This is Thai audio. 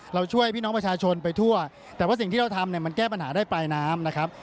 เราช่วยพี่น้องประชาชนไปทั่วแต่ว่าสิ่งที่เราทำเนี่ยมันแก้ปัญหาได้ปลายน้ำนะครับ